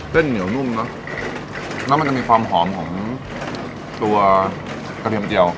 เส้นเหนียวนุ่มเนอะแล้วมันจะมีความหอมของตัวกระเทียมเจียว